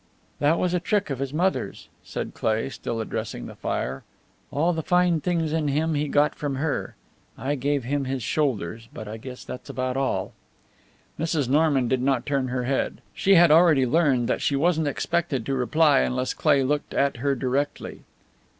"That was a trick of his mother's," said Cleigh, still addressing the fire. "All the fine things in him he got from her. I gave him his shoulders, but I guess that's about all." Mrs. Norman did not turn her head. She had already learned that she wasn't expected to reply unless Cleigh looked at her directly.